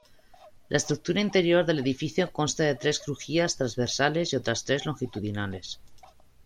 La estructura interior del edificio consta de tres crujías transversales y otras tres longitudinales.